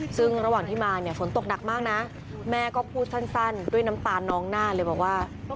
ซึ่งระหว่างที่มาเนี่ยฝนตกหนักมากนะแม่ก็พูดสั้นด้วยน้ำตาลน้องหน้าเลยบอกว่า